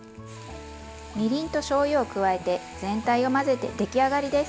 みりんとしょうゆを加えて全体を混ぜて出来上がりです。